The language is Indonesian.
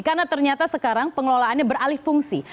karena ternyata sekarang pengelolaannya beralih fungsi